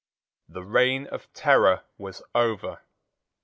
The reign of terror was over.